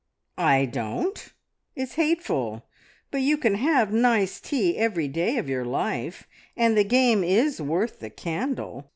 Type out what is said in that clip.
"I don't; it's hateful! But you can have nice tea every day, of your life, and the game is worth the candle!